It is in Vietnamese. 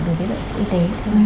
đối với bệnh viện y tế